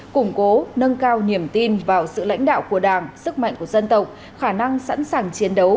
củng cố nâng cao niềm tin vào sự lãnh đạo của đảng sức mạnh của dân tộc khả năng sẵn sàng chiến đấu